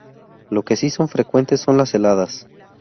Lo que sí son frecuentes son las heladas.